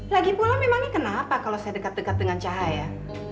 lagipula memangnya kenapa kalau saya dekat dekat dengan cahaya